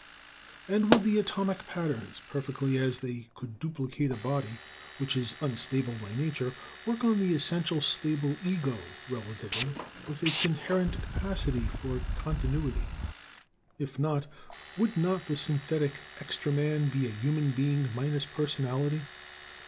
And would the "atomic patterns," perfectly as they could duplicate a body, which is unstable by nature, work on the essentially stable ego (relatively) with its inherent capacity for continuity? If not, would not the synthetic "Extra Man" be a human being minus personality?